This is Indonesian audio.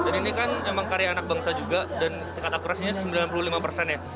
dan ini kan memang karya anak bangsa juga dan tingkat akurasinya sembilan puluh lima persen ya